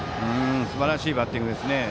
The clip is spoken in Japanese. すばらしいバッティングですね。